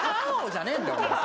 じゃねえんだよお前。